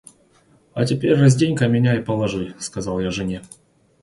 — А теперь раздень-ка меня и положи, — сказал я жене.